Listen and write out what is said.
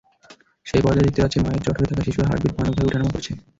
সেই পর্দায় দেখতে পাচ্ছি মায়ের জঠরে থাকা শিশুর হার্টবিট ভয়ানকভাবে ওঠানামা করছে।